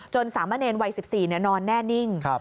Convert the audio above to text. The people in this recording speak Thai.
สามะเนรวัย๑๔นอนแน่นิ่ง